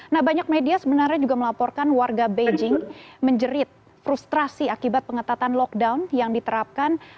nah banyak media sebenarnya juga melaporkan warga beijing menjerit frustrasi akibat pengetatan lockdown yang diterapkan